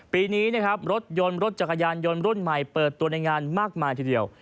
ปีนี้นะครับรถยนต์รถจักรยานยนต์รุ่นใหม่เปิดตัวในงานมากมายทีเดียว